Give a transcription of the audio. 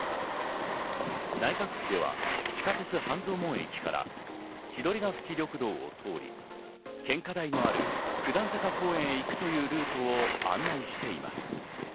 内閣府では地下鉄・半蔵門駅から千鳥ヶ淵緑道を通り、献花台のある九段坂公園へ行くというルートを案内しています。